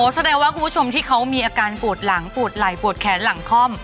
แสดงว่าคุณผู้ชมที่เขามีอาการปวดหลังปวดไหล่ปวดแขนหลังคล่อม